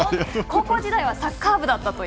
高校時代はサッカー部だと。